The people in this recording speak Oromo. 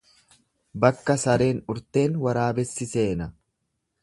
Bakka sareen urteen waraabessi seena.